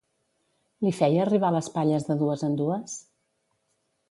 Li feia arribar les palles de dues en dues?